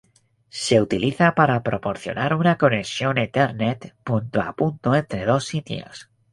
Se utiliza para proporcionar una conexión Ethernet punto a punto entre dos sitios.